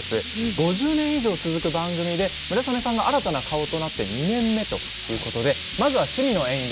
５０年以上続く番組で村雨さんが新たな顔となって２年目ということでまずは「趣味の園芸」